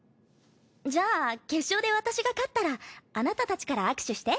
じゃあ決勝で私が勝ったらあなたたちから握手して。